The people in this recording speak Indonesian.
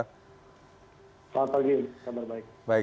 selamat pagi kabar baik